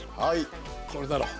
これだろ。